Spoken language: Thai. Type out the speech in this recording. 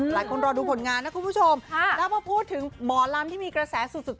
รอดูผลงานนะคุณผู้ชมแล้วพอพูดถึงหมอลำที่มีกระแสสุด